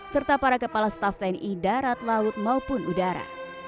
serta para kepala staff tni darat laut maupun udara